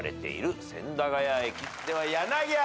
では柳原。